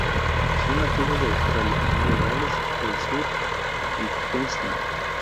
Son nativos de Australia, Nueva Gales del Sur y Queensland.